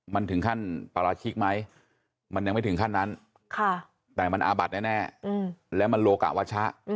มันถึงขั้นปราชิกไหมมันยังไม่ถึงขั้นนั้นแต่มันอาบัดแน่แล้วมันโลกะวัชะ